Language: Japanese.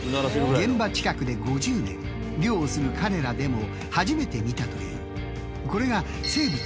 現場近くで５０年漁をする彼らでも初めて見たという。